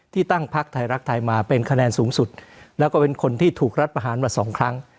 ตั้งพักไทยรักไทยมาเป็นคะแนนสูงสุดแล้วก็เป็นคนที่ถูกรัฐประหารมาสองครั้ง